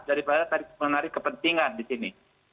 daripada menarik kepentingan di sini